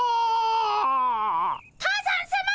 多山さま